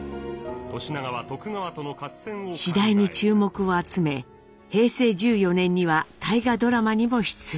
次第に注目を集め平成１４年には大河ドラマにも出演。